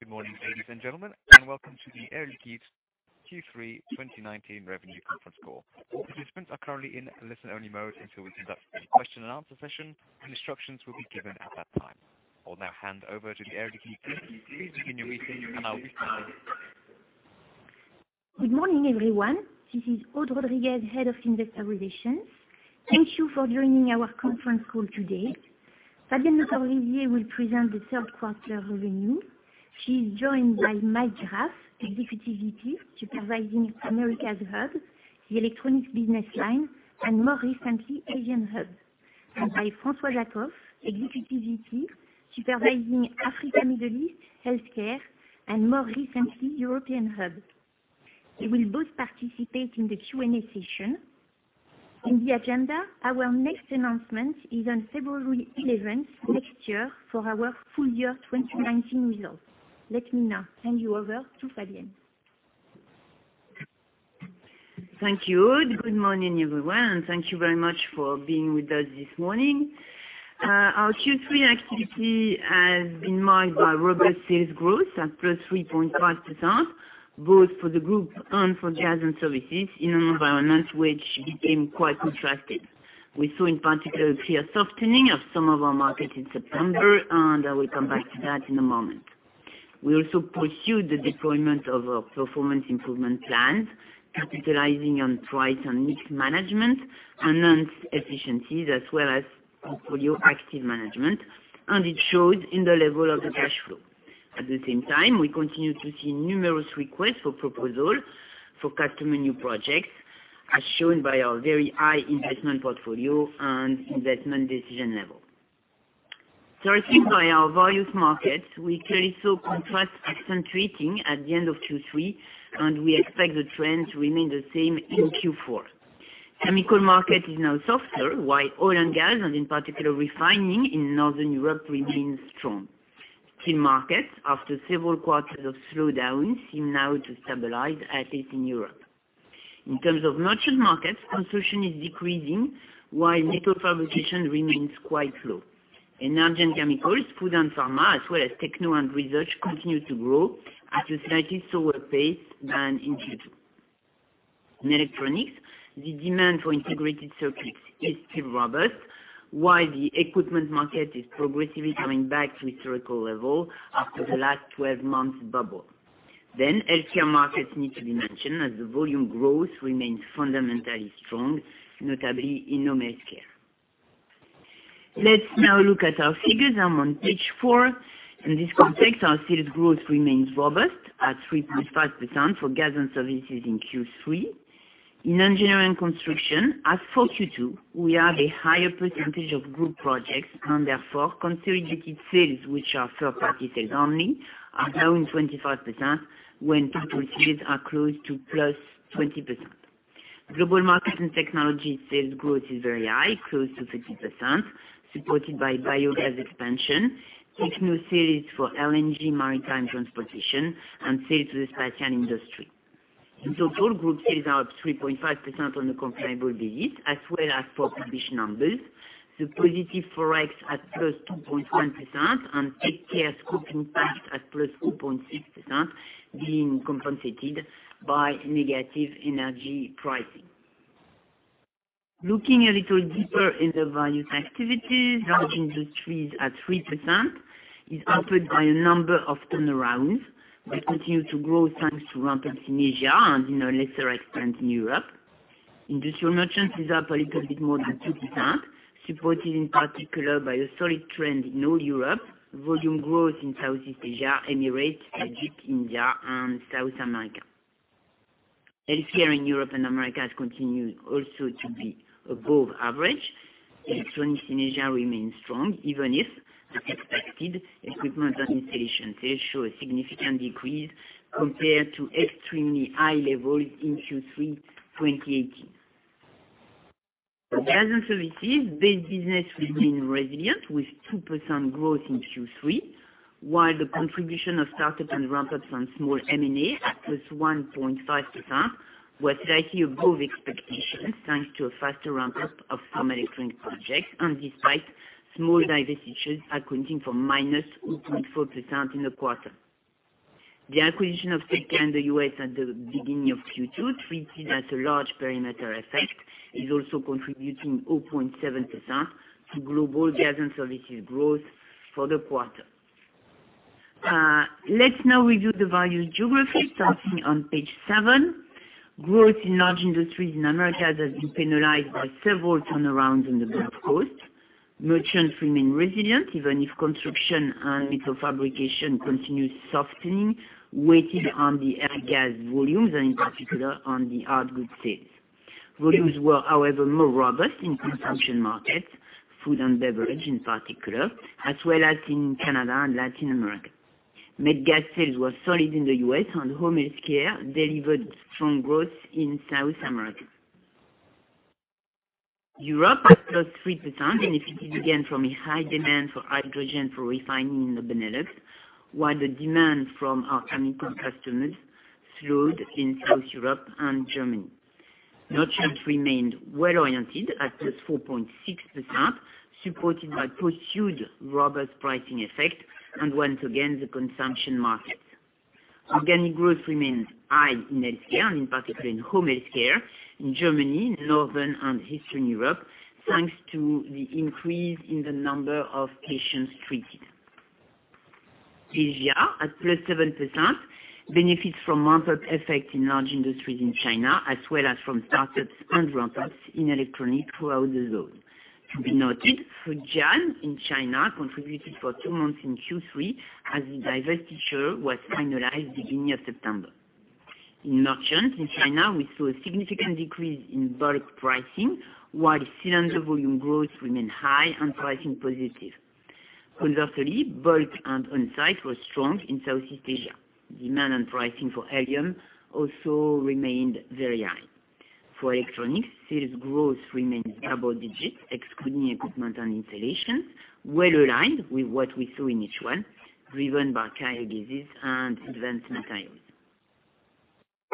Good morning, ladies and gentlemen. Welcome to the Air Liquide Q3 2019 Revenue Conference Call. All participants are currently in listen-only mode until we conduct the question and answer session, and instructions will be given at that time. I'll now hand over to the Air Liquide team. Please begin your meeting, and I'll restart. Good morning, everyone. This is Aude Rodriguez, Head of Investor Relations. Thank you for joining our conference call today. Fabienne Lecorvaisier will present the third quarter revenue. She's joined by Mike Graff, Executive Vice President, supervising Americas Hub, the electronics business line, and more recently, Asian Hub, and by François Jackow, Executive Vice President, supervising Africa, Middle East, healthcare, and more recently, European Hub. They will both participate in the Q&A session. In the agenda, our next announcement is on February 11th next year for our full year 2019 results. Let me now hand you over to Fabienne. Thank you, Aude. Good morning, everyone, and thank you very much for being with us this morning. Our Q3 activity has been marked by robust sales growth at plus 3.5%, both for the group and for Gas & Services, in an environment which became quite contrasted. We saw, in particular, a clear softening of some of our markets in September, and I will come back to that in a moment. We also pursued the deployment of our performance improvement plans, capitalizing on price and mix management and enhanced efficiencies, as well as portfolio active management, and it showed in the level of the cash flow. At the same time, we continue to see numerous requests for proposals for customer new projects, as shown by our very high investment portfolio and investment decision level. As seen by our various markets, we clearly saw contrast accentuating at the end of Q3, and we expect the trend to remain the same in Q4. Chemical market is now softer, while oil and gas, and in particular, refining in Northern Europe remains strong. Steel markets, after several quarters of slowdown, seem now to stabilize, at least in Europe. In terms of merchant markets, construction is decreasing, while metal fabrication remains quite low. Energy and chemicals, food and pharma, as well as techno and research continue to grow at a slightly slower pace than in Q2. In electronics, the demand for integrated circuits is still robust, while the equipment market is progressively coming back to historical level after the last 12 months bubble. Healthcare markets need to be mentioned as the volume growth remains fundamentally strong, notably in home healthcare. Let's now look at our figures, and on page four. In this context, our sales growth remains robust at 3.5% for Gas & Services in Q3. In engineering construction, as for Q2, we have a higher percentage of group projects, and therefore, consolidated sales, which are third-party sales only, are down 25%, when total sales are close to +20%. Global market and technology sales growth is very high, close to 30%, supported by biogas expansion, techno sales for LNG maritime transportation, and sales to the space and industry. Total group sales are up 3.5% on a comparable basis, as well as for published numbers, the positive ForEx at +2.1% and Tech Air scope impact at +0.6%, being compensated by negative energy pricing. Looking a little deeper in the various activities, large industries at 3% is helped by a number of turnarounds that continue to grow thanks to ramp in Asia and in a lesser extent in Europe. Industrial merchants is up a little bit more than 2%, supported in particular by a solid trend in all Europe, volume growth in Southeast Asia, Emirates, Egypt, India, and South America. Healthcare in Europe and America has continued also to be above average. Electronics in Asia remains strong, even if, as expected, equipment and installation sales show a significant decrease compared to extremely high levels in Q3 2018. For Gas & Services, base business remains resilient with 2% growth in Q3, while the contribution of startup and ramp-ups and small M&A at +1.5% was slightly above expectations, thanks to a faster ramp-up of some electronic projects and despite small divestitures accounting for -0.4% in the quarter. The acquisition of Tech Air in the U.S. at the beginning of Q2 treated as a large perimeter effect, is also contributing 0.7% to global Gas & Services growth for the quarter. Let's now review the various geographies, starting on page seven. Growth in large industries in America has been penalized by several turnarounds on the Gulf Coast. Merchants remain resilient, even if construction and metal fabrication continues softening, weighted on the Airgas volumes and in particular on the hard goods sales. Volumes were, however, more robust in consumption markets, food and beverage in particular, as well as in Canada and Latin America. Med gas sales were solid in the U.S., and home healthcare delivered strong growth in South America. Europe at +3%, benefited again from a high demand for hydrogen for refining in the Benelux, while the demand from our chemical customers slowed in South Europe and Germany. Merchant remained well-oriented at +4.6%, supported by pursued robust pricing effect, and once again, the consumption markets. Organic growth remains high in healthcare, and in particular in home healthcare in Germany, Northern and Eastern Europe, thanks to the increase in the number of patients treated. Asia, at +7%, benefits from ramp-up effect in large industries in China, as well as from startups and ramp-ups in electronics throughout the zone. To be noted, Fujian in China contributed for two months in Q3, as the divestiture was finalized beginning of September. In merchants in China, we saw a significant decrease in bulk pricing, while cylinder volume growth remained high and pricing positive. Conversely, bulk and onsite were strong in Southeast Asia. Demand and pricing for helium also remained very high. For electronics, sales growth remained double digits, excluding equipment and installations, well aligned with what we saw in H1, driven by carrier gases and advanced materials.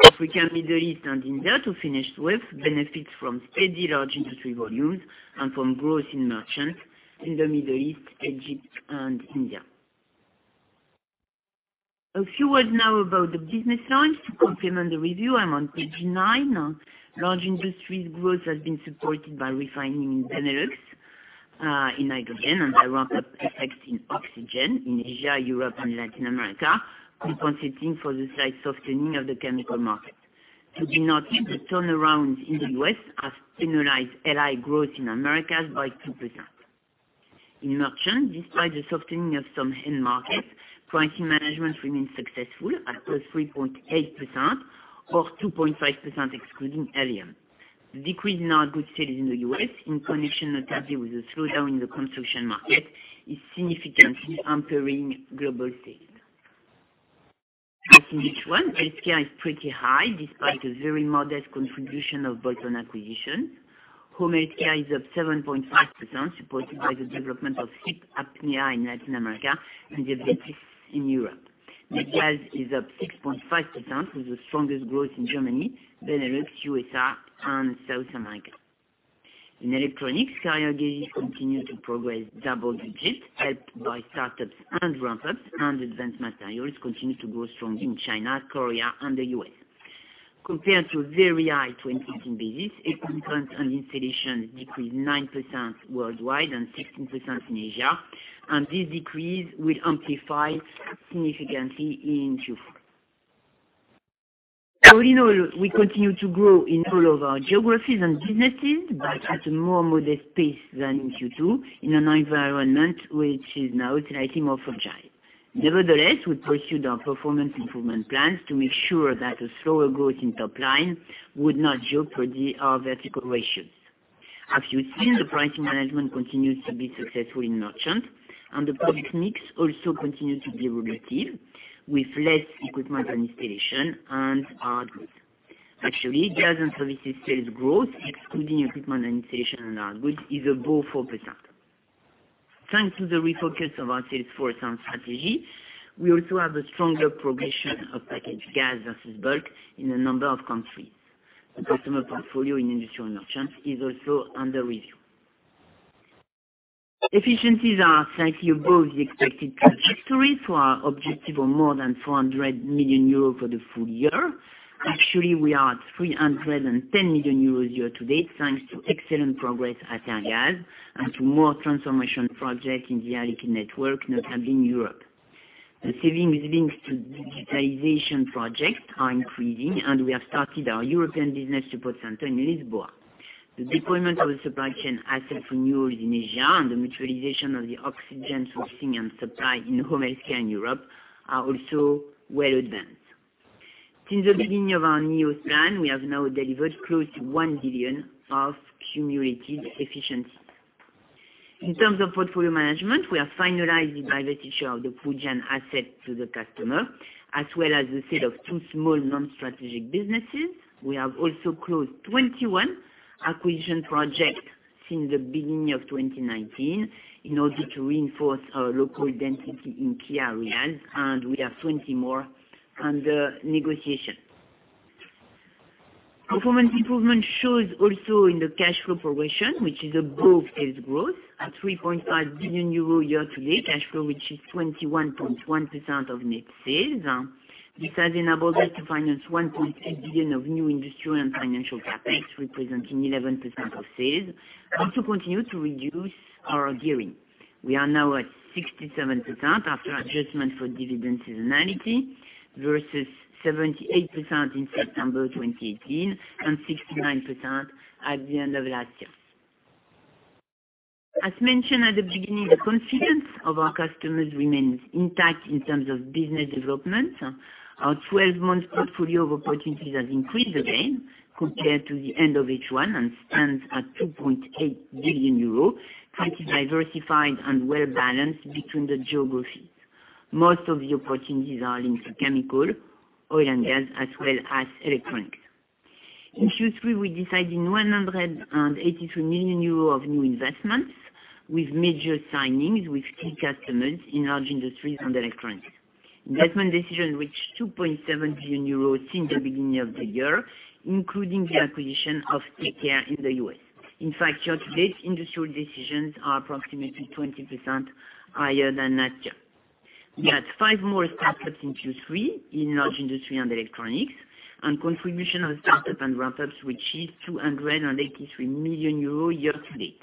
Africa, Middle East, and India, to finish with, benefits from steady large industry volumes and from growth in merchants in the Middle East, Egypt, and India. A few words now about the business lines to complement the review. I'm on page nine. Large industries growth has been supported by refining in Benelux, in nitrogen, and by ramp-up effects in oxygen in Asia, Europe, and Latin America, compensating for the slight softening of the chemical market. To be noted, the turnaround in the U.S. has penalized LI growth in Americas by 2%. In merchant, despite the softening of some end markets, pricing management remained successful at plus 3.8%, or 2.5% excluding helium. The decrease in our good sales in the U.S., in connection notably with the slowdown in the construction market, is significantly hampering global sales. As in H1, healthcare is pretty high despite the very modest contribution of bolt-on acquisition. Home healthcare is up 7.5%, supported by the development of sleep apnea in Latin America and diabetes in Europe. Medgas is up 6.5%, with the strongest growth in Germany, Benelux, USA, and South America. In electronics, carrier gases continue to progress double digits, helped by startups and ramp-ups, and advanced materials continue to grow strong in China, Korea, and the U.S. Compared to very high 2018 business, equipment and installations decreased 9% worldwide and 16% in Asia, and this decrease will amplify significantly in Q4. All in all, we continue to grow in all of our geographies and businesses, but at a more modest pace than in Q2, in an environment which is now slightly more fragile. Nevertheless, we pursued our performance improvement plans to make sure that a slower growth in top line would not jeopardize our vertical ratios. As you've seen, the pricing management continues to be successful in merchant, and the product mix also continues to be relative, with less equipment and installation and hard goods. Gas & Services sales growth, excluding equipment and installation and hard goods, is above 4%. Thanks to the refocus of our sales force and strategy, we also have a stronger progression of packaged gas versus bulk in a number of countries. The customer portfolio in industrial merchants is also under review. Efficiencies are slightly above the expected trajectory for our objective of more than 400 million euros for the full year. We are at 310 million euros year to date, thanks to excellent progress at Airgas and to more transformation projects in the Air Liquide network, notably in Europe. The savings linked to digitalization projects are increasing, and we have started our European business support center in Lisboa. The deployment of the supply chain asset renewal in Asia and the mutualization of the oxygen sourcing and supply in home healthcare in Europe are also well advanced. Since the beginning of our NEOS plan, we have now delivered close to one billion EUR of cumulative efficiencies. In terms of portfolio management, we are finalizing divestiture of the Fujian asset to the customer, as well as the sale of two small non-strategic businesses. We have also closed 21 acquisition projects since the beginning of 2019 in order to reinforce our local density in key areas, and we have 20 more under negotiation. Performance improvement shows also in the cash flow progression, which is above sales growth at 3.5 billion euro year to date. Cash flow, which is 21.1% of net sales. This has enabled us to finance 1.8 billion of new industrial and financial CapEx, representing 11% of sales, and to continue to reduce our gearing. We are now at 67% after adjustment for dividend seasonality, versus 78% in September 2018, and 69% at the end of last year. As mentioned at the beginning, the confidence of our customers remains intact in terms of business development. Our 12-month portfolio of opportunities has increased again compared to the end of H1 and stands at 2.8 billion euro, quite diversified and well-balanced between the geographies. Most of the opportunities are linked to chemical, oil and gas, as well as electronics. In Q3, we decided 183 million euros of new investments, with major signings with key customers in large industries and electronics. Investment decisions reached 2.7 billion euros since the beginning of the year, including the acquisition of Tech Air in the U.S. In fact, year-to-date industrial decisions are approximately 20% higher than last year. We had five more startups in Q3 in large industry and electronics, and contribution of startup and ramp-ups, which is 283 million euros year-to-date.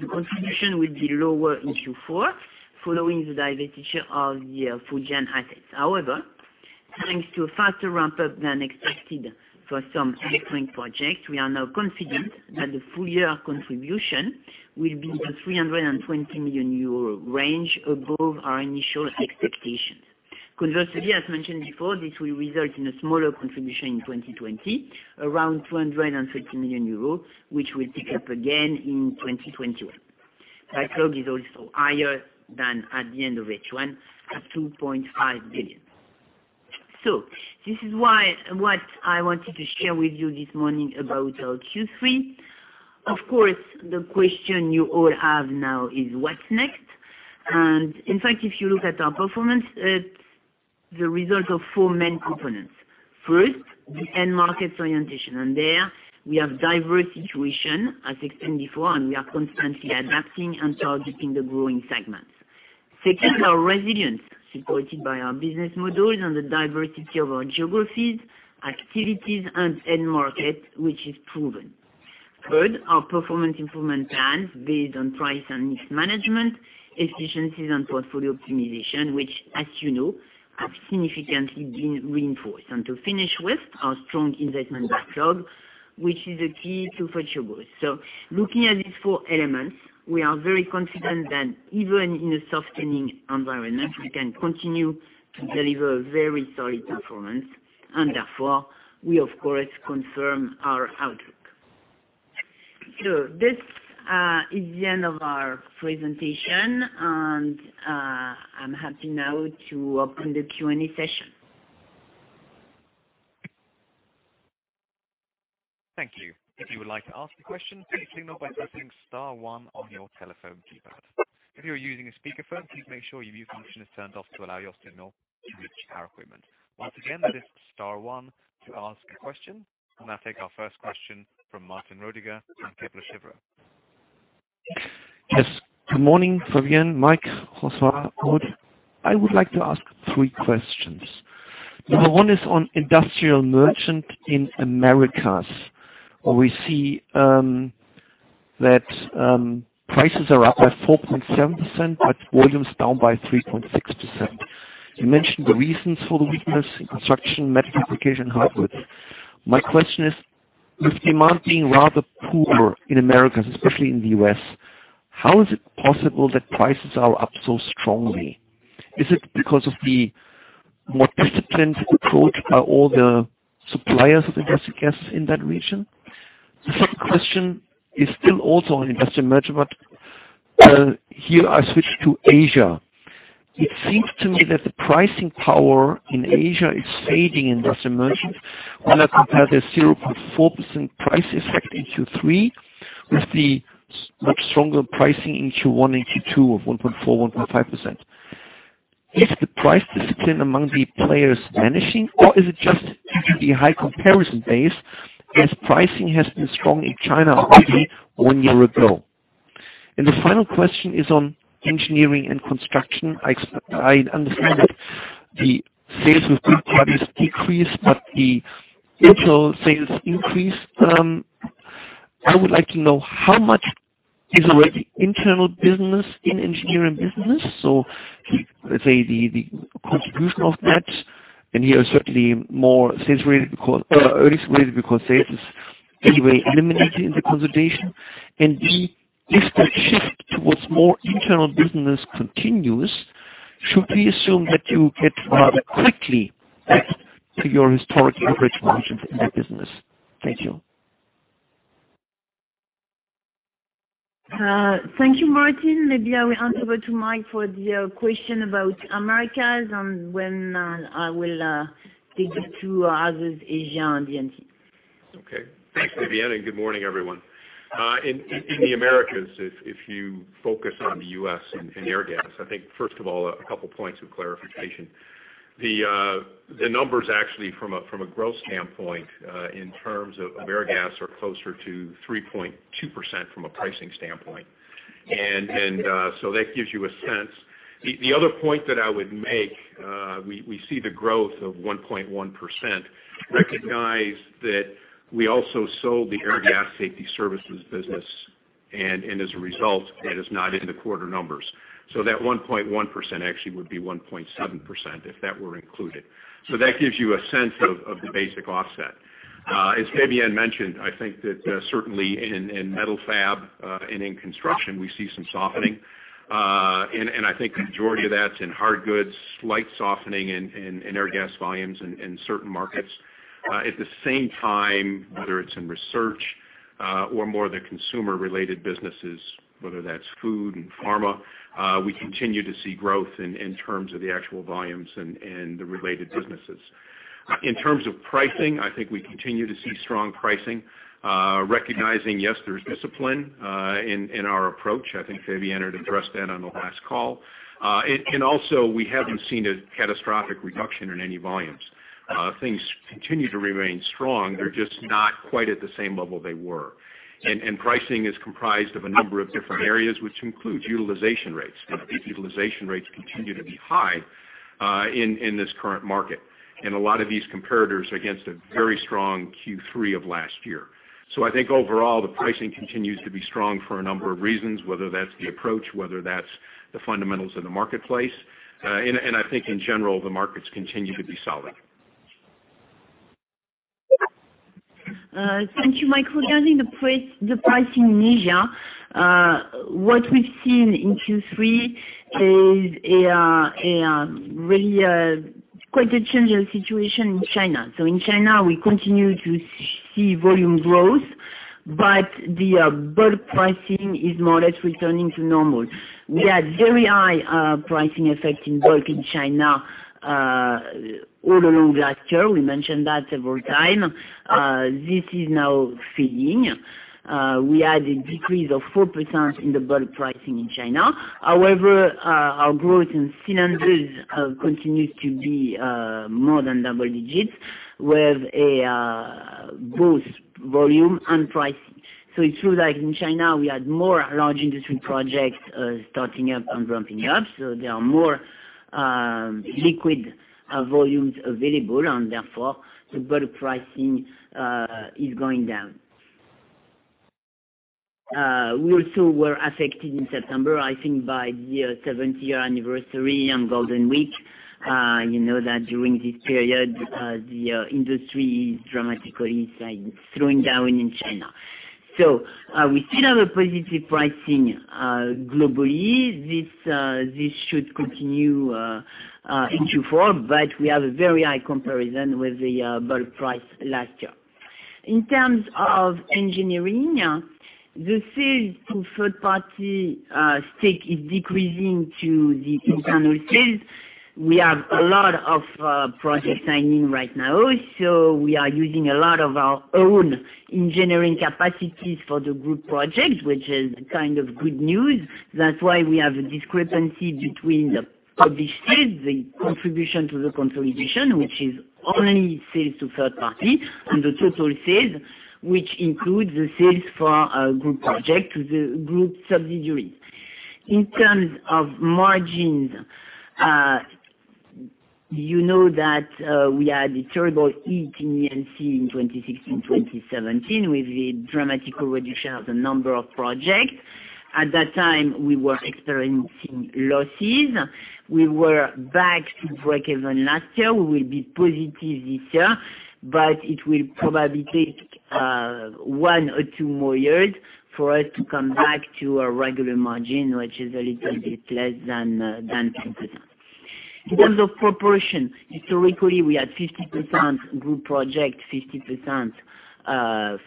The contribution will be lower in Q4 following the divestiture of the Fujian assets. Thanks to a faster ramp-up than expected for some electronic projects, we are now confident that the full-year contribution will be in the 320 million euro range above our initial expectations. Conversely, as mentioned before, this will result in a smaller contribution in 2020, around 250 million euros, which will pick up again in 2021. Backlog is also higher than at the end of H1 at 2.5 billion. This is what I wanted to share with you this morning about our Q3. Of course, the question you all have now is what's next? In fact, if you look at our performance, it's the result of four main components. First, the end markets orientation. There we have diverse situation as explained before, and we are constantly adapting and targeting the growing segments. Second, our resilience supported by our business models and the diversity of our geographies, activities and end markets, which is proven. Third, our performance improvement plans based on price and mix management, efficiencies, and portfolio optimization, which as you know, have significantly been reinforced. To finish with our strong investment backlog, which is a key to future growth. Looking at these four elements, we are very confident that even in a softening environment, we can continue to deliver very solid performance, and therefore we of course confirm our outlook. This is the end of our presentation, and I'm happy now to open the Q&A session. Thank you. If you would like to ask a question, please signal by pressing star one on your telephone keypad. If you're using a speakerphone, please make sure your mute function is turned off to allow your signal to reach our equipment. Once again, that is star one to ask a question. I'll now take our first question from Martin Roediger at Kepler Cheuvreux. Yes. Good morning, Fabienne, Mike, François, Aude. I would like to ask three questions. Number one is on industrial merchant in Americas, where we see that prices are up by 4.7%, but volumes down by 3.6%. You mentioned the reasons for the weakness in construction, metal fabrication, hard goods. My question is, with demand being rather poor in Americas, especially in the U.S., how is it possible that prices are up so strongly? Is it because of the more disciplined approach by all the suppliers of industrial gases in that region? The second question is still also on industrial merchant, but here I switch to Asia. It seems to me that the pricing power in Asia is fading in industrial merchant when I compare the 0.4% price effect in Q3 with the much stronger pricing in Q1 and Q2 of 1.4%, 1.5%. Is the price discipline among the players vanishing, or is it just due to the high comparison base as pricing has been strong in China already one year ago? The final question is on engineering and construction. I understand that the sales with big parties decreased, but the internal sales increased. I would like to know how much is already internal business in engineering business. Let's say the contribution of that, and here certainly more sales related, because internal sales is anyway eliminated in the consolidation. If the shift towards more internal business continues, should we assume that you get rather quickly back to your historic average margins in that business? Thank you. Thank you, Martin. Maybe I will hand over to Mike for the question about Americas, and when I will take the two others, Asia and E&C. Okay. Thanks, Fabienne. Good morning, everyone. In the Americas, if you focus on the U.S. and Airgas, I think first of all, a couple points of clarification. The numbers actually from a growth standpoint, in terms of Airgas, are closer to 3.2% from a pricing standpoint. That gives you a sense. The other point that I would make, we see the growth of 1.1%, recognize that we also sold the Airgas Safety Services business, as a result, that is not in the quarter numbers. That 1.1% actually would be 1.7% if that were included. That gives you a sense of the basic offset. As Fabienne mentioned, I think that certainly in metal fab, in construction, we see some softening. I think the majority of that's in hard goods, slight softening in Airgas volumes in certain markets. At the same time, whether it's in research, or more the consumer-related businesses, whether that's food and pharma, we continue to see growth in terms of the actual volumes and the related businesses. In terms of pricing, I think we continue to see strong pricing, recognizing, yes, there's discipline in our approach. I think Fabienne had addressed that on the last call. Also, we haven't seen a catastrophic reduction in any volumes. Things continue to remain strong. They're just not quite at the same level they were. Pricing is comprised of a number of different areas, which includes utilization rates. Utilization rates continue to be high in this current market, and a lot of these comparators against a very strong Q3 of last year. I think overall, the pricing continues to be strong for a number of reasons, whether that's the approach, whether that's the fundamentals of the marketplace. I think in general, the markets continue to be solid. Thank you, Mike. Regarding the price in Asia, what we've seen in Q3 is really quite a changing situation in China. In China, we continue to see volume growth, but the bulk pricing is more or less returning to normal. We had very high pricing effect in bulk in China all along last year. We mentioned that several times. This is now fading. We had a decrease of 4% in the bulk pricing in China. However, our growth in cylinders continues to be more than double digits, with both volume and price. It's true that in China, we had more large industry projects starting up and ramping up. There are more liquid volumes available, and therefore the bulk pricing is going down. We also were affected in September, I think, by the 70-year anniversary and Golden Week. You know that during this period, the industry is dramatically slowing down in China. We still have a positive pricing globally. This should continue in Q4, but we have a very high comparison with the bulk price last year. In terms of engineering, the sales to third-party stake is decreasing to the internal sales. We have a lot of projects signing right now, so we are using a lot of our own engineering capacities for the group projects, which is kind of good news. That's why we have a discrepancy between the published sales, the contribution to the consolidation, which is only sales to third-party, and the total sales, which includes the sales for group project to the group subsidiaries. In terms of margins, you know that we had a terrible hit in E&C in 2016, 2017 with the dramatic reduction of the number of projects. At that time, we were experiencing losses. We were back to breakeven last year. We will be positive this year. It will probably take one or two more years for us to come back to a regular margin, which is a little bit less than 10%. In terms of proportion, historically, we had 50% group project, 50%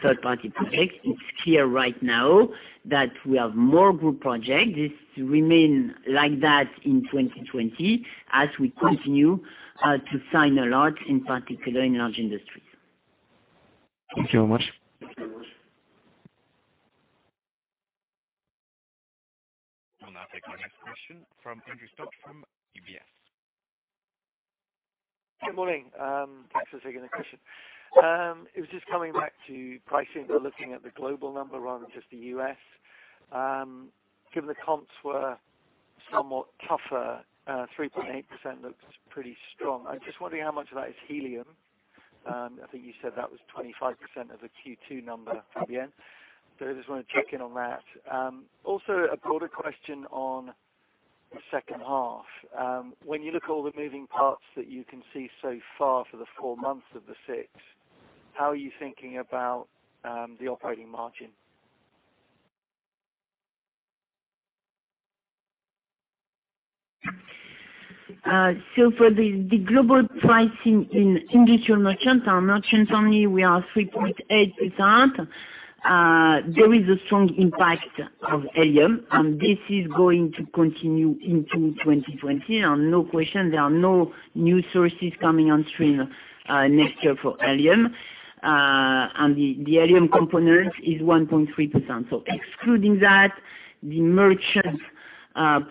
third-party project. It's clear right now that we have more group project. This remain like that in 2020 as we continue to sign a lot, in particular in large industries. Thank you very much. We'll now take our next question from Andrew Stokes from UBS. Good morning. Thanks for taking the question. It was just coming back to pricing, looking at the global number rather than just the U.S. Given the comps were somewhat tougher, 3.8% looks pretty strong. I'm just wondering how much of that is helium. I think you said that was 25% of the Q2 number at the end. I just want to check in on that. A broader question on the second half. When you look at all the moving parts that you can see so far for the four months of the six, how are you thinking about the operating margin? For the global pricing in industrial merchants, our merchants only, we are 3.8%. There is a strong impact of helium, and this is going to continue into 2020. No question, there are no new sources coming on stream next year for helium. The helium component is 1.3%. Excluding that, the merchant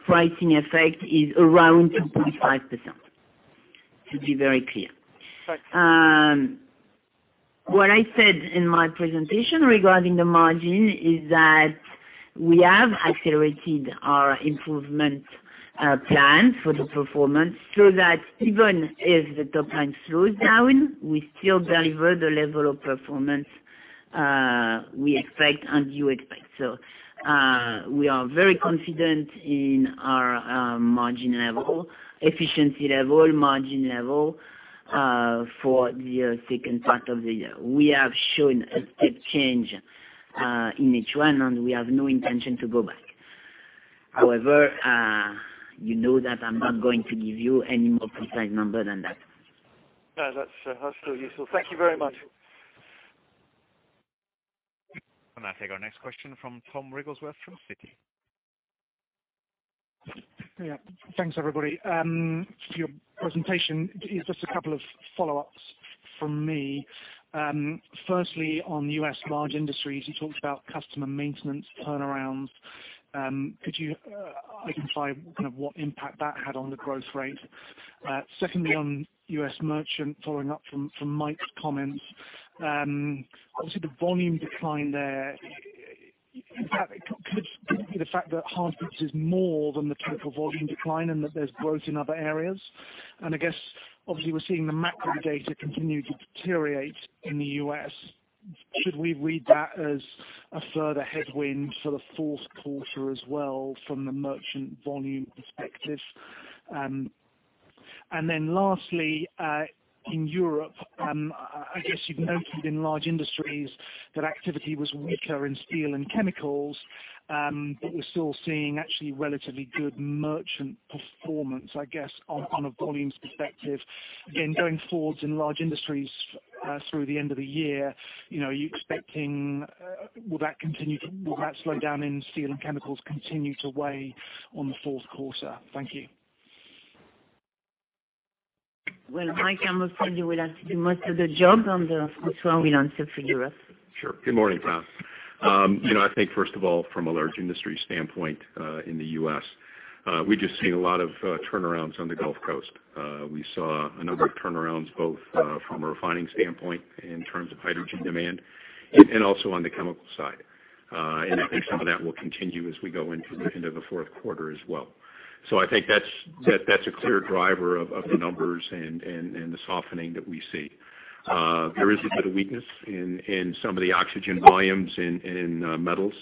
pricing effect is around 2.5%, to be very clear. Right. What I said in my presentation regarding the margin is that we have accelerated our improvement plan for the performance, so that even if the top line slows down, we still deliver the level of performance we expect and you expect. We are very confident in our efficiency level, margin level for the second part of the year. We have shown a step change in H1, and we have no intention to go back. You know that I'm not going to give you any more precise number than that. No, that's still useful. Thank you very much. Next question from Tom Wrigglesworth from Citi. Yeah. Thanks, everybody. Your presentation, just a couple of follow-ups from me. Firstly, on U.S. large industries, you talked about customer maintenance turnarounds. Could you identify what impact that had on the growth rate? Secondly, on U.S. merchant, following up from Mike's comments. Obviously, the volume decline there, could it be the fact that hard goods is more than the typical volume decline and that there's growth in other areas? I guess, obviously, we're seeing the macro data continue to deteriorate in the U.S. Should we read that as a further headwind for the fourth quarter as well from the merchant volume perspective? Lastly, in Europe, I guess you've noted in large industries that activity was weaker in steel and chemicals, but we're still seeing actually relatively good merchant performance, I guess, on a volumes perspective. Going forward in large industries, through the end of the year, are you expecting will that slow down in steel and chemicals continue to weigh on the fourth quarter? Thank you. Well, Mike, I must tell you will have to do most of the job, and then François will answer for Europe. Sure. Good morning, Tom. I think first of all, from a large industry standpoint, in the U.S., we've just seen a lot of turnarounds on the Gulf Coast. We saw a number of turnarounds, both from a refining standpoint in terms of hydrogen demand and also on the chemical side. I think some of that will continue as we go into the end of the fourth quarter as well. I think that's a clear driver of the numbers and the softening that we see. There is a bit of weakness in some of the oxygen volumes in metals,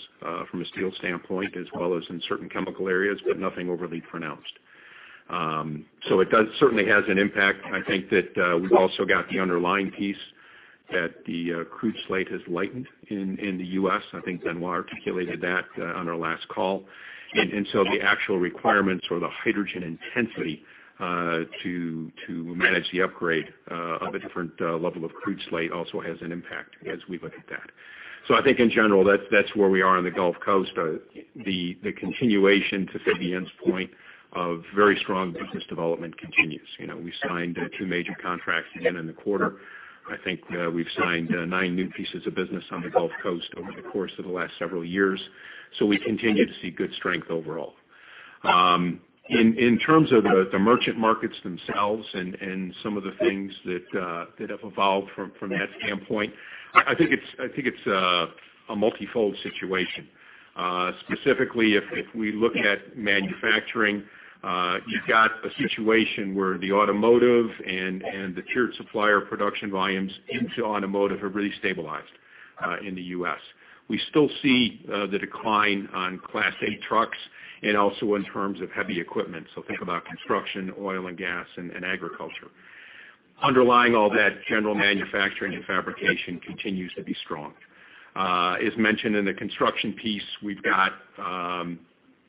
from a steel standpoint, as well as in certain chemical areas, but nothing overly pronounced. It certainly has an impact. I think that we've also got the underlying piece that the crude slate has lightened in the U.S. I think Benoît articulated that on our last call. The actual requirements or the hydrogen intensity to manage the upgrade of a different level of crude slate also has an impact as we look at that. I think in general, that's where we are on the Gulf Coast. The continuation, to Fabienne's point, of very strong business development continues. We signed two major contracts again in the quarter. I think we've signed nine new pieces of business on the Gulf Coast over the course of the last several years. We continue to see good strength overall. In terms of the merchant markets themselves and some of the things that have evolved from that standpoint, I think it's a multifold situation. Specifically, if we look at manufacturing, you've got a situation where the automotive and the tiered supplier production volumes into automotive have really stabilized in the U.S. We still see the decline on Class A trucks and also in terms of heavy equipment, so think about construction, oil and gas, and agriculture. Underlying all that, general manufacturing and fabrication continues to be strong. As mentioned in the construction piece, we've got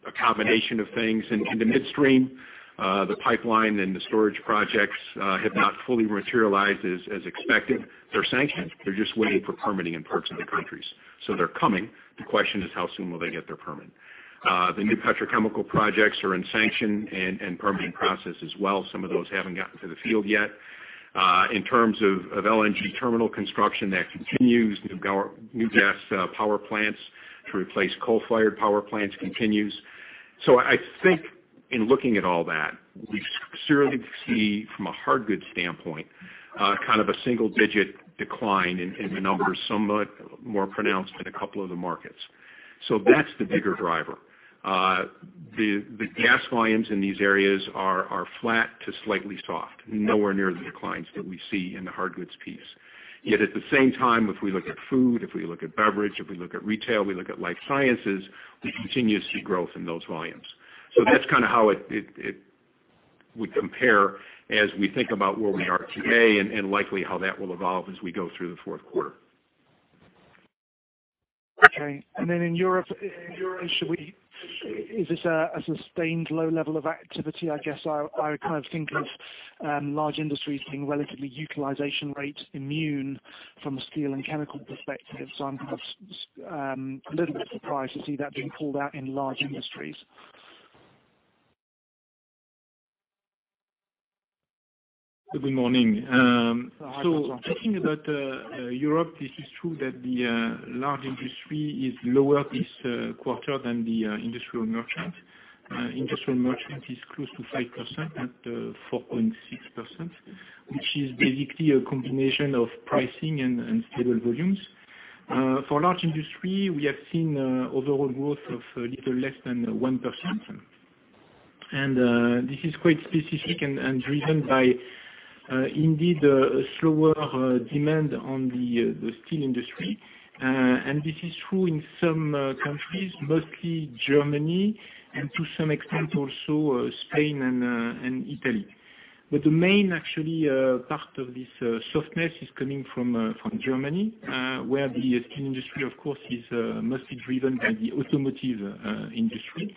a combination of things in the midstream. The pipeline and the storage projects have not fully materialized as expected. They're sanctioned, they're just waiting for permitting in parts of the countries. They're coming. The question is, how soon will they get their permit? The new petrochemical projects are in sanction and permitting process as well. Some of those haven't gotten to the field yet. In terms of LNG terminal construction, that continues. New gas power plants to replace coal-fired power plants continues. I think in looking at all that, we seriously see from a hard goods standpoint, kind of a single-digit decline in the numbers, somewhat more pronounced in a couple of the markets. That's the bigger driver. The gas volumes in these areas are flat to slightly soft, nowhere near the declines that we see in the hard goods piece. At the same time, if we look at food, if we look at beverage, if we look at retail, we look at life sciences, we continue to see growth in those volumes. That's kind of how we compare as we think about where we are today and likely how that will evolve as we go through the fourth quarter. Okay. In Europe, is this a sustained low level of activity? I guess I would think of large industries being relatively utilization rate immune from a steel and chemical perspective. So I'm perhaps a little bit surprised to see that being called out in large industries. Good morning. Hi, François. Talking about Europe, it is true that the large industry is lower this quarter than the industrial merchant. Industrial merchant is close to 5% at 4.6%, which is basically a combination of pricing and stable volumes. For large industry, we have seen overall growth of little less than 1%. This is quite specific and driven by indeed a slower demand on the steel industry. This is true in some countries, mostly Germany, and to some extent also Spain and Italy. The main actually part of this softness is coming from Germany, where the steel industry, of course, is mostly driven by the automotive industry.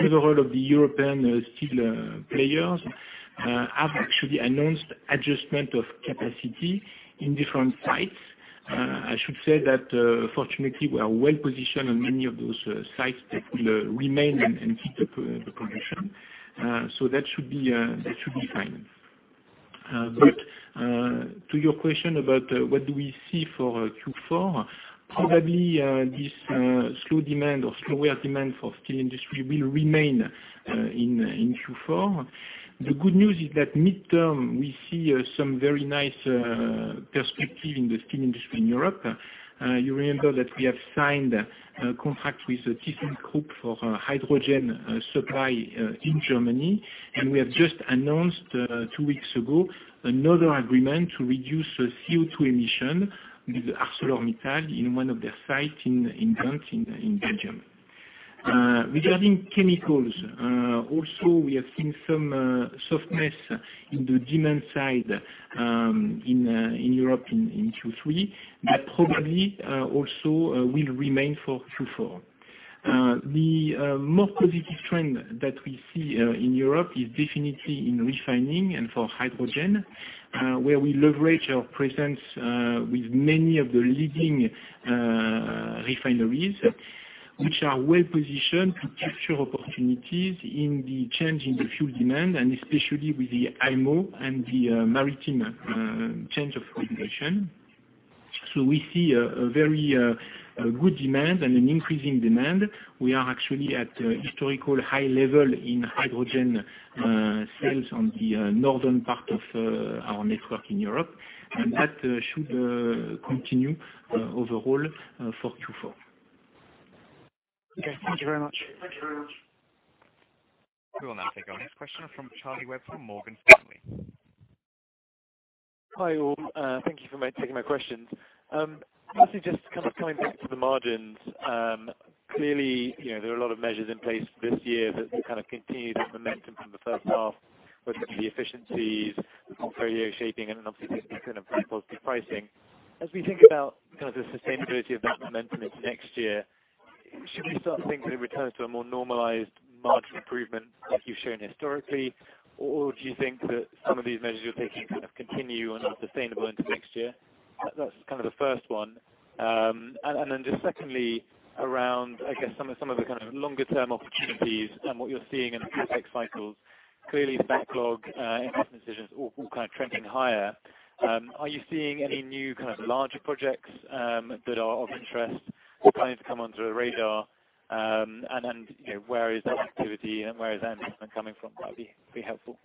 Overall of the European steel players have actually announced adjustment of capacity in different sites. I should say that fortunately, we are well-positioned on many of those sites that will remain and fit the condition. That should be fine. To your question about what do we see for Q4, probably, this slow demand or slower demand for steel industry will remain in Q4. The good news is that midterm, we see some very nice perspective in the steel industry in Europe. You remember that we have signed a contract with ThyssenKrupp for hydrogen supply in Germany, and we have just announced two weeks ago, another agreement to reduce CO2 emission with ArcelorMittal in one of their sites in Ghent, in Belgium. Regarding chemicals, also we have seen some softness in the demand side in Europe in Q3, that probably also will remain for Q4. The more positive trend that we see in Europe is definitely in refining and for hydrogen, where we leverage our presence with many of the leading refineries, which are well-positioned to capture opportunities in the change in the fuel demand and especially with the IMO and the maritime change of regulation. We see a very good demand and an increasing demand. We are actually at historical high level in hydrogen sales on the northern part of our network in Europe, and that should continue overall for Q4. Okay. Thank you very much. We will now take our next question from Charlie Webb from Morgan Stanley. Hi, all. Thank you for taking my questions. Mostly just coming back to the margins. Clearly, there are a lot of measures in place for this year that continue the momentum from the first half, whether it be the efficiencies, the portfolio shaping and obviously this positive pricing. As we think about the sustainability of that momentum into next year, should we start thinking it returns to a more normalized margin improvement like you've shown historically, or do you think that some of these measures you're taking continue and are sustainable into next year? That's the first one. Just secondly, around some of the longer-term opportunities and what you're seeing in the CapEx cycles. Clearly the backlog, investment decisions, all trending higher. Are you seeing any new kind of larger projects that are of interest planning to come onto the radar? Where is that activity and where is that investment coming from? That'd be helpful.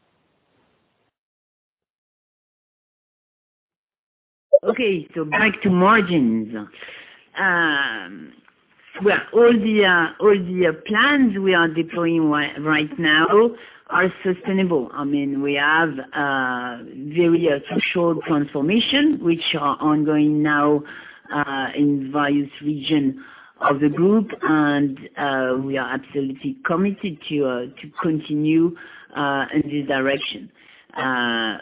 Okay, back to margins. Well, all the plans we are deploying right now are sustainable. We have various short transformation, which are ongoing now in various region of the group and we are absolutely committed to continue in this direction.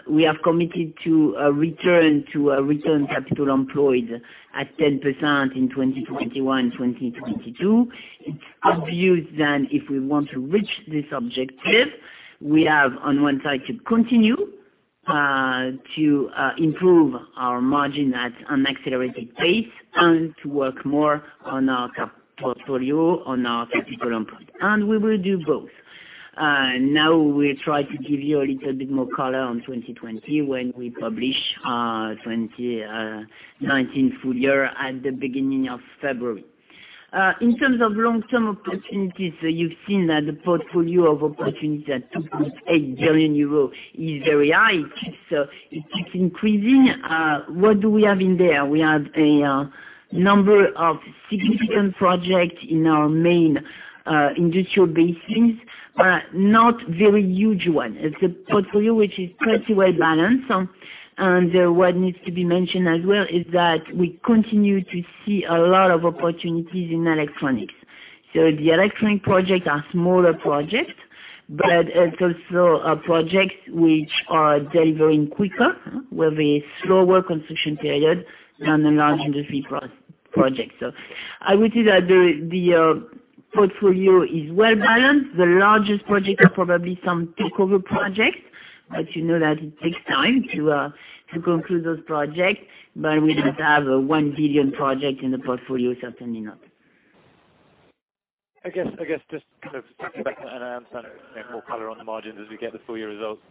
We have committed to a return capital employed at 10% in 2021, 2022. It's obvious if we want to reach this objective, we have on one side to continue to improve our margin at an accelerated pace and to work more on our portfolio, on our capital employed, and we will do both. We'll try to give you a little bit more color on 2020 when we publish our 2019 full year at the beginning of February. In terms of long-term opportunities, you've seen that the portfolio of opportunities at €2.8 billion is very high. It's increasing. What do we have in there? We have a number of significant projects in our main industrial basins, not very huge ones. It's a portfolio which is pretty well balanced. What needs to be mentioned as well is that we continue to see a lot of opportunities in electronics. The electronic projects are smaller projects, but it's also projects which are delivering quicker with a slower construction period than the large industry projects. I would say that the portfolio is well-balanced. The largest projects are probably some takeover projects, but you know that it takes time to conclude those projects. We don't have a 1 billion project in the portfolio, certainly not. I guess just kind of thinking back, and I understand more color on the margins as we get the full year results,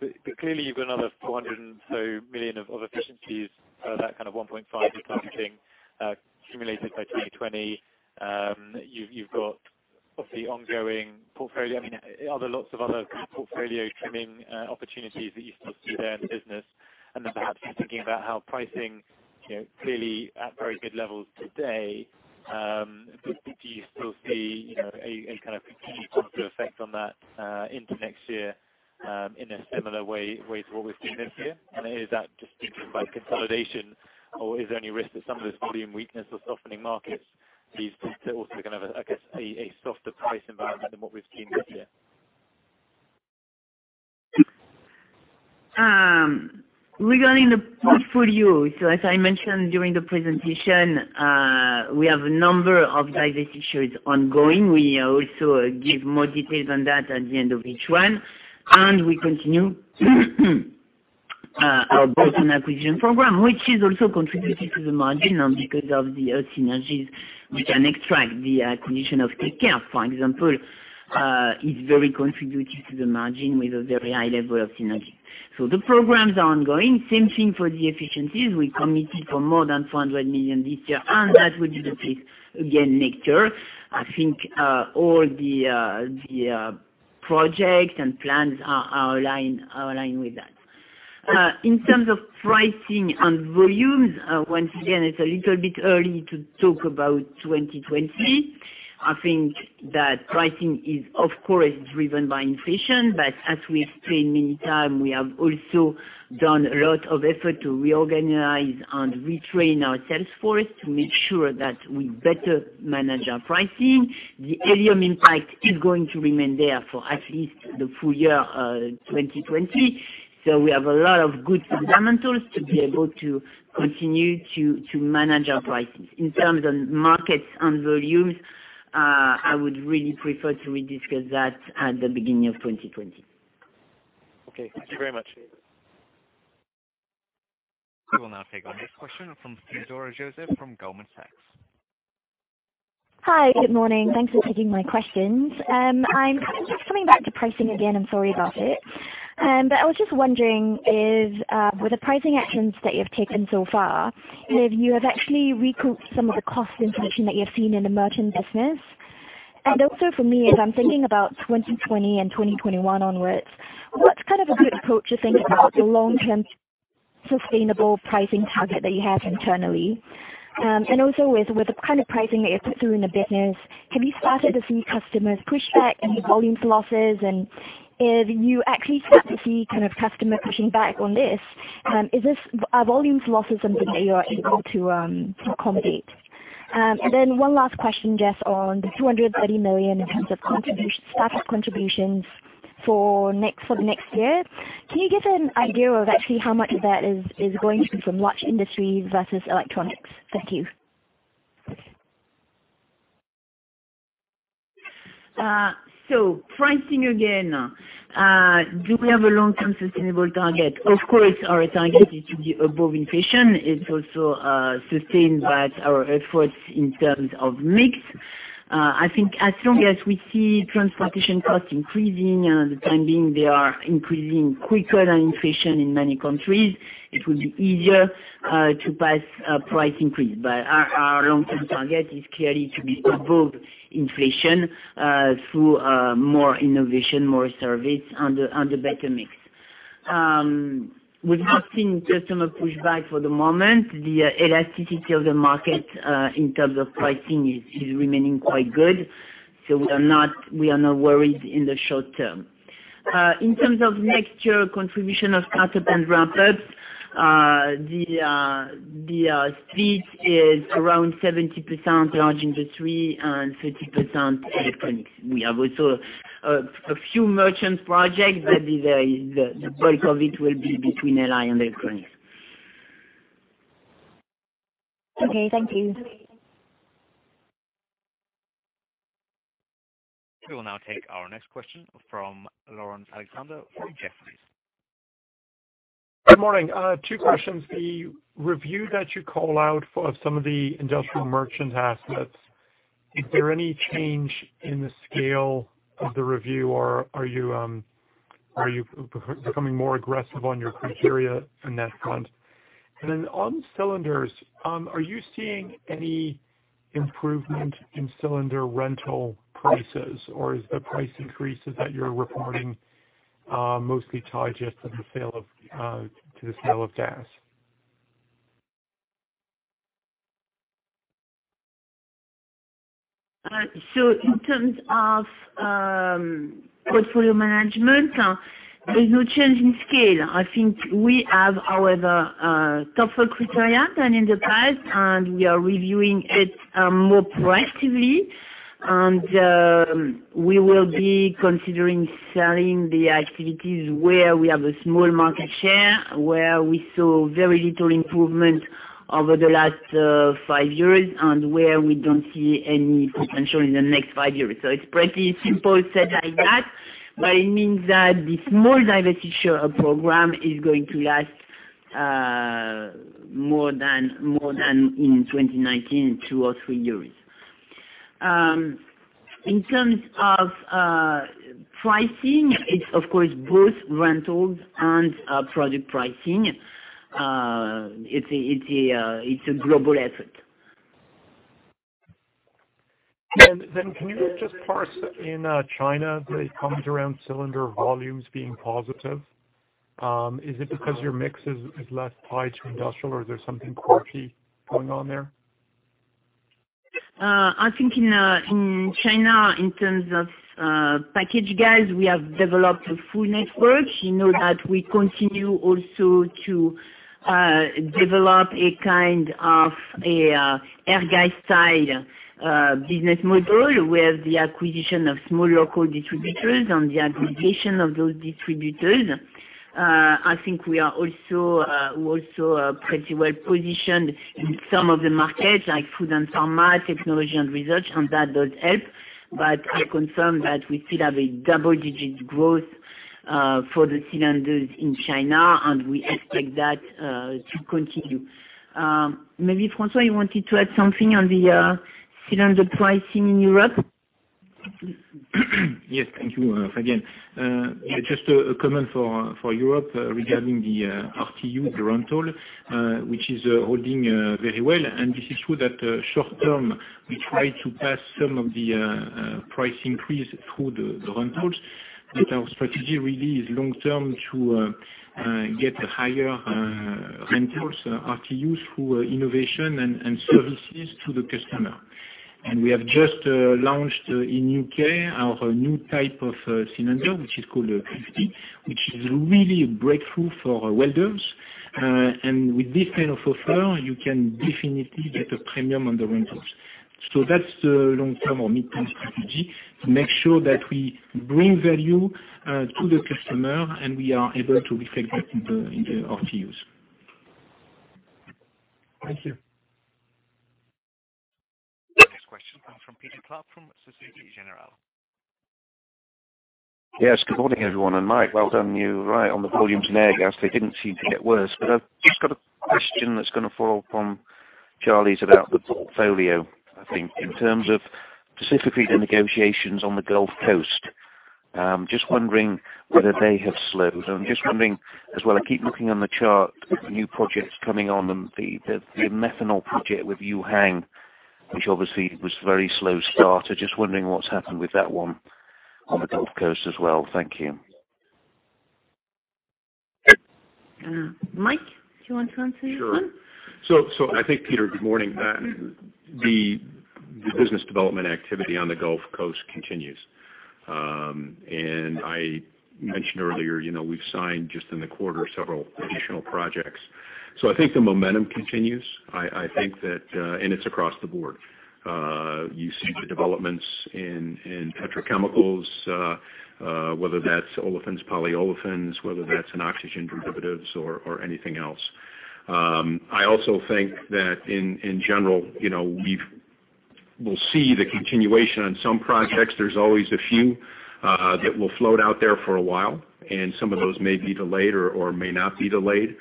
but clearly you've got another 400 million of efficiencies, that kind of 1.5 you're targeting accumulated by 2020. Are there lots of other kind of portfolio trimming opportunities that you still see there in the business? Perhaps you're thinking about how pricing clearly at very good levels today, do you still see a kind of continued positive effect on that into next year in a similar way to what we've seen this year? Is that just driven by consolidation, or is there any risk that some of this volume weakness or softening markets leads to also kind of, I guess, a softer price environment than what we've seen this year? Regarding the portfolio, as I mentioned during the presentation, we have a number of divestitures ongoing. We also give more details on that at the end of each one. We continue our bottom-up acquisition program, which is also contributing to the margin because of the synergies we can extract. The acquisition of Tech Air, for example, is very contributive to the margin with a very high level of synergy. The programs are ongoing. Same thing for the efficiencies. We committed for more than 400 million this year, and that would be the case again next year. I think all the projects and plans are aligned with that. In terms of pricing and volumes, once again, it's a little bit early to talk about 2020. I think that pricing is, of course, driven by inflation. As we explained many times, we have also done a lot of effort to reorganize and retrain our sales force to make sure that we better manage our pricing. The helium impact is going to remain there for at least the full year 2020. We have a lot of good fundamentals to be able to continue to manage our pricing. In terms of markets and volumes, I would really prefer to re-discuss that at the beginning of 2020. Okay. Thank you very much. We will now take our next question from Theodora Joseph from Goldman Sachs. Hi. Good morning. Thanks for taking my questions. I'm kind of just coming back to pricing again, sorry about it. I was just wondering, with the pricing actions that you've taken so far, if you have actually recouped some of the cost inflation that you have seen in the merchant business? Also for me, as I'm thinking about 2020 and 2021 onwards, what's kind of a good approach to think about the long-term sustainable pricing target that you have internally? Also with the kind of pricing that you've put through in the business, have you started to see customers push back any volumes losses? If you actually start to see customer pushing back on this, are volumes losses something that you are able to accommodate? One last question, just on the 230 million in terms of startup contributions for the next year. Can you give an idea of actually how much of that is going to be from large industries versus electronics? Thank you. Pricing again. Do we have a long-term sustainable target? Of course, our target is to be above inflation. It's also sustained by our efforts in terms of mix. I think as long as we see transportation costs increasing, and for the time being, they are increasing quicker than inflation in many countries, it will be easier to pass a price increase. Our long-term target is clearly to be above inflation through more innovation, more service, and a better mix. We've not seen customer push back for the moment. The elasticity of the market in terms of pricing is remaining quite good. We are not worried in the short term. In terms of next year contribution of start-up and ramp-ups, the split is around 70% large industry and 30% electronics. We have also a few merchant projects, the bulk of it will be between LI and electronics. Okay. Thank you. We will now take our next question from Laurence Alexander from Jefferies. Good morning. Two questions. The review that you call out for some of the industrial merchant assets, is there any change in the scale of the review, or are you becoming more aggressive on your criteria in that front? Then on cylinders, are you seeing any improvement in cylinder rental prices, or is the price increases that you're reporting mostly tied just to the sale of gas? In terms of portfolio management, there's no change in scale. I think we have our tougher criteria than in the past, and we are reviewing it more proactively, and we will be considering selling the activities where we have a small market share, where we saw very little improvement over the last five years, and where we don't see any potential in the next five years. It's pretty simple said like that, but it means that the small divestiture program is going to last more than in 2019, two or three years. In terms of pricing, it's of course both rentals and product pricing. It's a global effort. Can you just parse in China the comment around cylinder volumes being positive? Is it because your mix is less tied to industrial, or is there something property going on there? I think in China, in terms of packaged gas, we have developed a full network. You know that we continue also to develop a kind of Airgas style business model where the acquisition of small local distributors and the acquisition of those distributors. I think we are also pretty well positioned in some of the markets, like food and pharma, technology and research, and that does help. I confirm that we still have a double-digit growth for the cylinders in China, and we expect that to continue. Maybe, François, you wanted to add something on the cylinder pricing in Europe? Yes. Thank you, Fabienne. Just a comment for Europe regarding the RTU rental, which is holding very well. This is true that short term, we try to pass some of the price increase through the rentals, but our strategy really is long term to get higher rentals, RTUs, through innovation and services to the customer. We have just launched in U.K. our new type of cylinder, which is called Qlixbi, which is really a breakthrough for welders. With this kind of offer, you can definitely get a premium on the rentals. That's the long-term or mid-term strategy to make sure that we bring value to the customer, and we are able to reflect that in the RTUs. Thank you. Next question comes from Peter Clark from Societe Generale. Mike, well done. You were right on the volumes in Airgas. They didn't seem to get worse. I've just got a question that's going to follow up on Charlie's about the portfolio, I think. In terms of specifically the negotiations on the Gulf Coast, I'm just wondering whether they have slowed. I'm just wondering as well, I keep looking on the chart, the new projects coming on and the methanol project with Yuhuang, which obviously was a very slow start. I just wondering what's happened with that one on the Gulf Coast as well. Thank you. Mike, do you want to answer this one? Sure. I think, Peter, good morning. The business development activity on the Gulf Coast continues. I mentioned earlier we've signed just in the quarter several additional projects. I think the momentum continues. I think that, it's across the board. You see the developments in petrochemicals, whether that's olefins, polyolefins, whether that's in oxygen derivatives or anything else. I also think that in general, we'll see the continuation on some projects. There's always a few that will float out there for a while, some of those may be delayed or may not be delayed.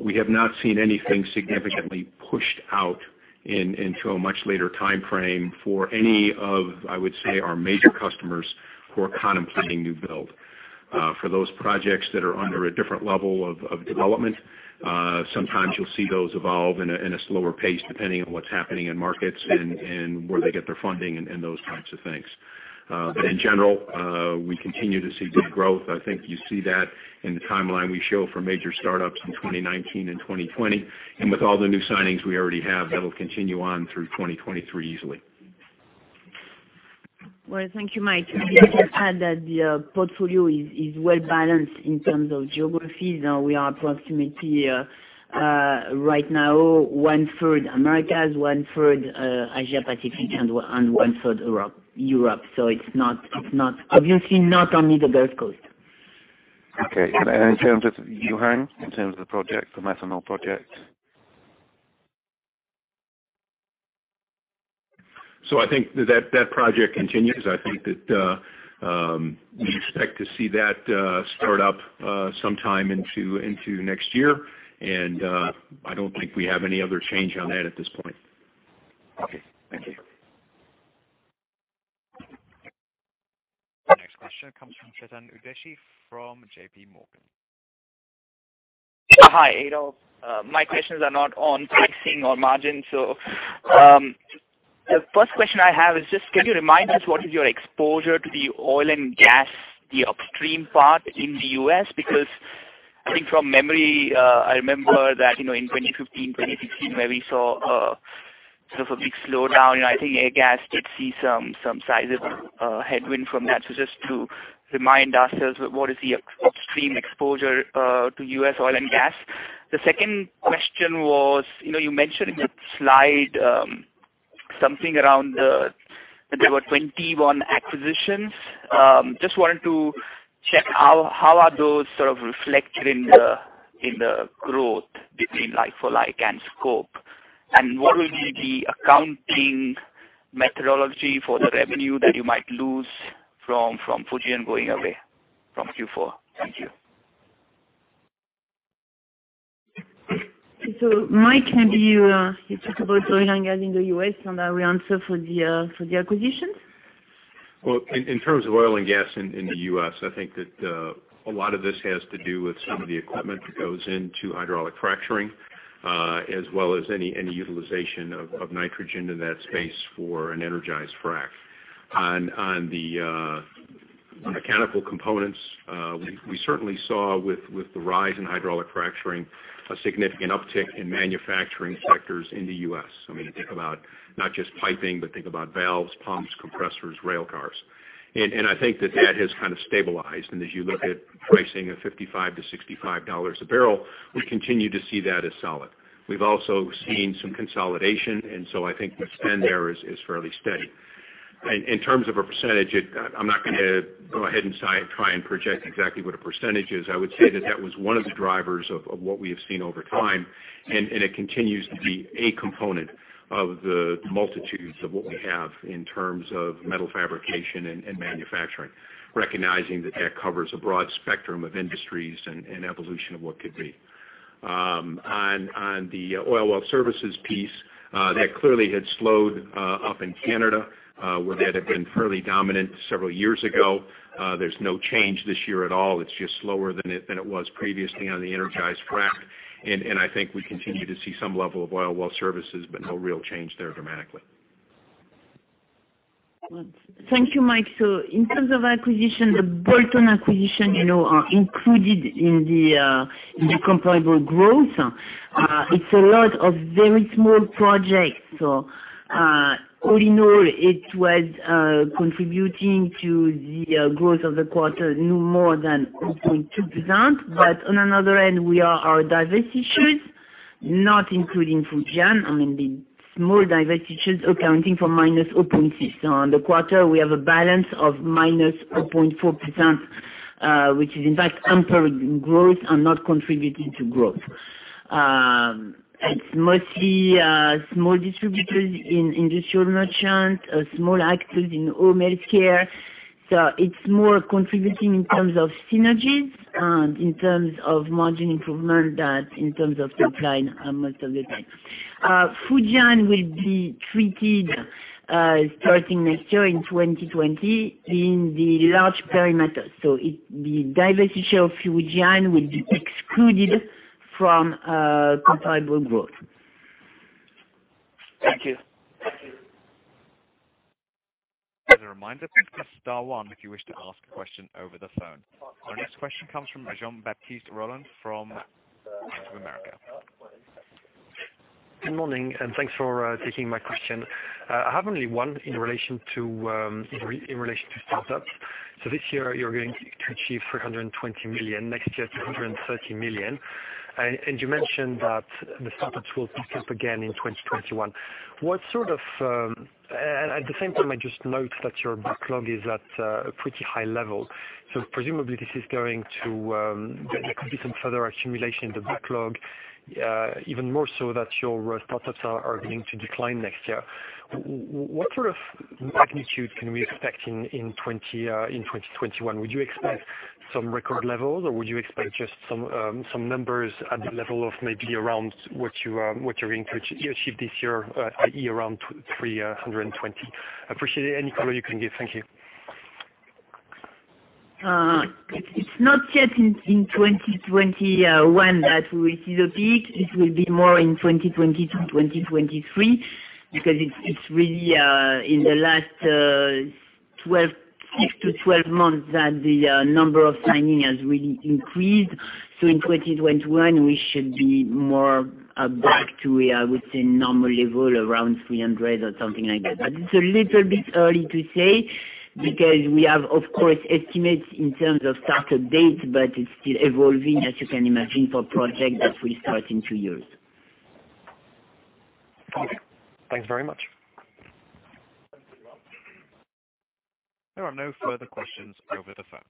We have not seen anything significantly pushed out into a much later timeframe for any of, I would say, our major customers who are contemplating new build. For those projects that are under a different level of development, sometimes you'll see those evolve in a slower pace, depending on what's happening in markets and where they get their funding, and those types of things. In general, we continue to see good growth. I think you see that in the timeline we show for major startups in 2019 and 2020. With all the new signings we already have, that'll continue on through 2023 easily. Well, thank you, Mike. Maybe I can add that the portfolio is well-balanced in terms of geographies. Now we are approximately, right now, one-third Americas, one-third Asia Pacific, and one-third Europe. It's obviously not only the Gulf Coast. Okay. In terms of Yuhuang, in terms of the project, the methanol project? I think that project continues. I think that we expect to see that start up sometime into next year. I don't think we have any other change on that at this point. Okay. Thank you. Next question comes from Chetan Udeshi from J.P. Morgan. Hi, Adue. My questions are not on pricing or margin. The first question I have is just, can you remind us what is your exposure to the oil and gas, the upstream part in the U.S.? I think from memory, I remember that, in 2015, 2016, where we saw sort of a big slowdown, and I think Airgas did see some sizable headwind from that. Just to remind ourselves, what is the upstream exposure to U.S. oil and gas? The second question was, you mentioned in the slide something around that there were 21 acquisitions. Just wanted to check how are those sort of reflected in the growth between like-for-like and scope? What will be the accounting methodology for the revenue that you might lose from Fujian going away from Q4? Thank you. Mike, maybe you talk about oil and gas in the U.S., and I will answer for the acquisitions. Well, in terms of oil and gas in the U.S., I think that a lot of this has to do with some of the equipment that goes into hydraulic fracturing, as well as any utilization of nitrogen in that space for an energized frack. On the mechanical components, we certainly saw with the rise in hydraulic fracturing, a significant uptick in manufacturing sectors in the U.S. Think about not just piping, but think about valves, pumps, compressors, rail cars. I think that has kind of stabilized. As you look at pricing of $55 to $65 a barrel, we continue to see that as solid. We've also seen some consolidation, and so I think the spend there is fairly steady. In terms of a percentage, I'm not going to go ahead and try and project exactly what a percentage is. I would say that that was one of the drivers of what we have seen over time, and it continues to be a component of the multitudes of what we have in terms of metal fabrication and manufacturing, recognizing that that covers a broad spectrum of industries and evolution of what could be. On the oil well services piece, that clearly had slowed up in Canada, where that had been fairly dominant several years ago. There is no change this year at all. It is just slower than it was previously on the energized frack. I think we continue to see some level of oil well services, but no real change there dramatically. Thank you, Mike. In terms of acquisition, the Bolton acquisition are included in the comparable growth. It's a lot of very small projects. All in all, it was contributing to the growth of the quarter, no more than 0.2%. On another end, we are our divestitures, not including Fujian. The small divestitures accounting for -0.6% on the quarter. We have a balance of -0.4%, which is in fact hampering growth and not contributing to growth. It's mostly small distributors in industrial merchant, small actors in home healthcare. It's more contributing in terms of synergies and in terms of margin improvement than in terms of top line most of the time. Fujian will be treated starting next year in 2020 in the large perimeter. The divestiture of Fujian will be excluded from comparable growth. Thank you. As a reminder, press star one if you wish to ask a question over the phone. Our next question comes from Jean-Baptiste Roland from Bank of America. Good morning, and thanks for taking my question. I have only one in relation to startups. This year, you're going to achieve 320 million, next year, 330 million. You mentioned that the startups will pick up again in 2021. At the same time, I just note that your backlog is at a pretty high level. Presumably there could be some further accumulation in the backlog, even more so that your startups are going to decline next year. What sort of magnitude can we expect in 2021? Would you expect some record levels, or would you expect just some numbers at the level of maybe around what you're going to achieve this year, i.e., around 320 million? Appreciate any color you can give. Thank you. It's not yet in 2021 that we see the peak. It will be more in 2022, 2023, because it's really in the last six to 12 months that the number of signing has really increased. In 2021, we should be more back to, I would say, normal level around 300 or something like that. It's a little bit early to say because we have, of course, estimates in terms of startup dates, but it's still evolving, as you can imagine, for a project that will start in two years. Okay. Thanks very much. There are no further questions over the phone.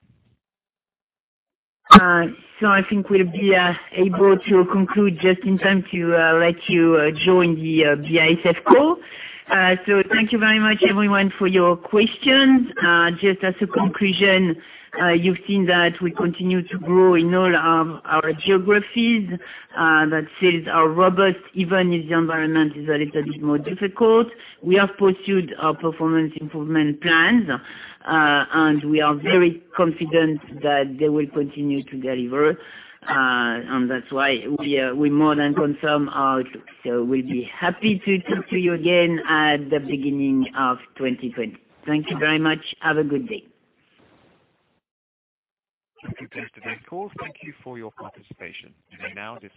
I think we'll be able to conclude just in time to let you join the BASF call. Thank you very much, everyone, for your questions. Just as a conclusion, you've seen that we continue to grow in all our geographies. That says our robust, even if the environment is a little bit more difficult. We have pursued our performance improvement plans, and we are very confident that they will continue to deliver. That's why we more than confirm our outlook. We'll be happy to talk to you again at the beginning of 2020. Thank you very much. Have a good day. Thank you. That's the end of the call. Thank you for your participation. You may now disconnect.